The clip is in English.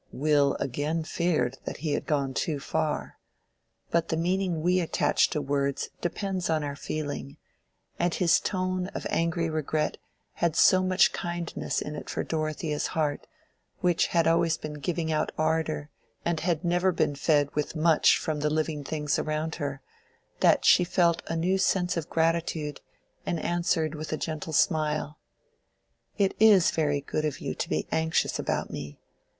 Will again feared that he had gone too far; but the meaning we attach to words depends on our feeling, and his tone of angry regret had so much kindness in it for Dorothea's heart, which had always been giving out ardor and had never been fed with much from the living beings around her, that she felt a new sense of gratitude and answered with a gentle smile— "It is very good of you to be anxious about me.